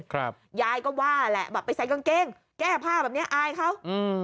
ครับยายก็ว่าแหละแบบไปใส่กางเกงแก้ผ้าแบบเนี้ยอายเขาอืม